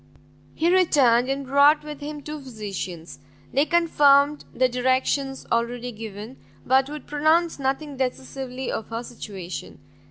He returned and brought with him two physicians. They confirmed the directions already given, but would pronounce nothing decisively of her situation.